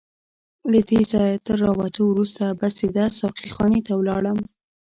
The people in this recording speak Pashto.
له دې ځایه تر راوتو وروسته به سیده ساقي خانې ته ولاړم.